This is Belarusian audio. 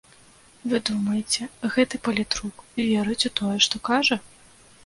Вы думаеце, гэты палітрук верыць у тое, што кажа?